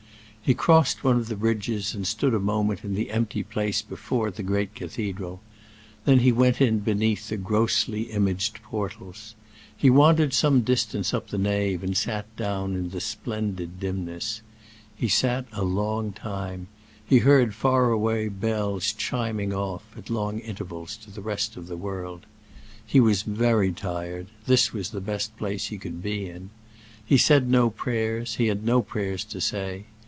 He crossed one of the bridges and stood a moment in the empty place before the great cathedral; then he went in beneath the grossly imaged portals. He wandered some distance up the nave and sat down in the splendid dimness. He sat a long time; he heard far away bells chiming off, at long intervals, to the rest of the world. He was very tired; this was the best place he could be in. He said no prayers; he had no prayers to say.